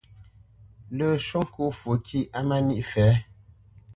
Lə́ shwô ŋkó fwo kîʼ á má níʼ fɛ̌.